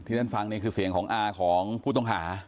ที่เล่นฟังคือเสียงของอ้าพูดทงหา